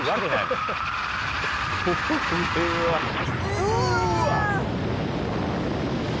うわ！